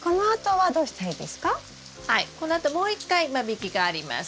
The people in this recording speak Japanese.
はいこのあともう一回間引きがあります。